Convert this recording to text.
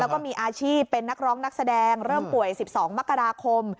แล้วก็มีอาชีพเป็นนักร้องนักแสดงเริ่มป่วย๑๒มกราคม